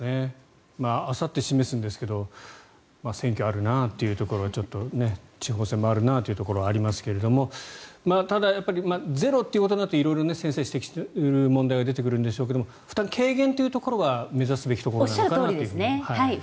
あさって示すんですけど選挙あるなというところちょっと地方選もあるなというところもありますけどただ、ゼロということになると先生が指摘する問題点が出てくるんでしょうけれども負担軽減というのは目指すべきところでしょうか。